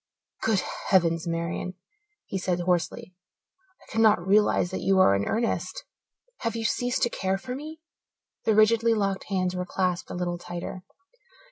"Good heavens, Marian!" he said hoarsely. "I cannot realize that you are in earnest. Have you ceased to care for me?" The rigidly locked hands were clasped a little tighter.